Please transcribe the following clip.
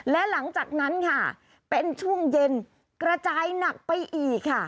และหลังจากนั้นค่ะเป็นช่วงเย็นกระจายหนักไปอีกค่ะ